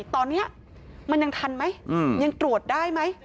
ตอนนี้มันยังทันไหมยังตรวจได้ไหม